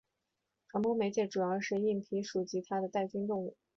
传播媒介主要是硬蜱属及其它带菌动物。